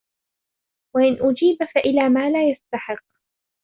وَإِنْ أُجِيبَ فَإِلَى مَا لَا يَسْتَحِقُّ